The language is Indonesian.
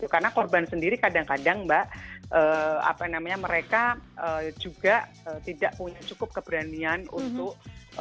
karena korban sendiri kadang kadang mbak apa namanya mereka juga tidak punya cukup keberanian untuk